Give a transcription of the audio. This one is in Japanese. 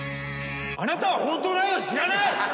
あなたは本当の愛を知らない！